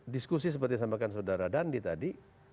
diskusi seperti yang disampaikan saudara dandi tadi